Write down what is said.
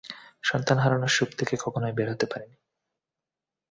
সন্তান হারানোর শোক থেকে কখনোই বের হতে পারেনি।